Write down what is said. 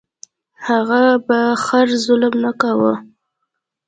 هغه په خر ظلم نه کاوه.